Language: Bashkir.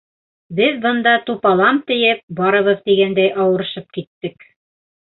Беҙ бында тупалам тейеп, барыбыҙ тигәндәй ауырышып киттек.